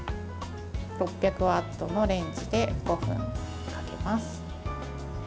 ６００ワットのレンジで５分かけます。